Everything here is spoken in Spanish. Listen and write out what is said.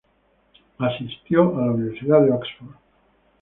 Asistió a la Universidad de Oxford.